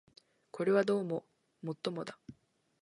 これはどうも尤もだ